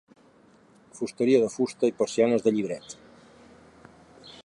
Fusteria de fusta i persianes de llibret.